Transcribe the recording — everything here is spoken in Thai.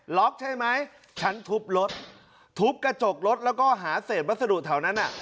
ใช่ไหมฉันทุบรถทุบกระจกรถแล้วก็หาเศษวัสดุแถวนั้นอ่ะ